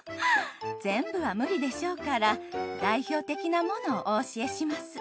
全部は無理でしょうから代表的なものをお教えします。